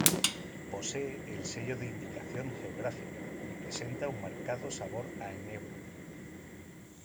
Posee el sello de Indicación Geográfica y presenta un marcado sabor a enebro.